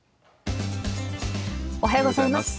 おはようございます。